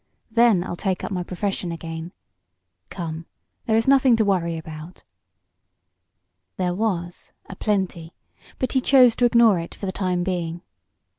Then I'll take up my profession again. Come, there is nothing to worry about." There was a plenty; but he chose to ignore it for the time being.